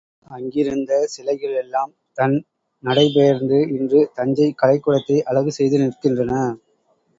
அங்கிருந்த சிலைகள் எல்லாம் தன் நடைபெயர்ந்து இன்று தஞ்சைக் கலைக் கூடத்தை அழகு செய்து நிற்கின்றன.